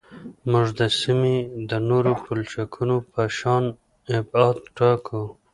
موږ د سیمې د نورو پلچکونو په شان ابعاد ټاکو